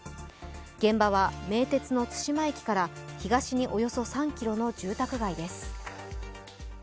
現場は名鉄の津島駅から東におよそ３ｋｍの住宅街です。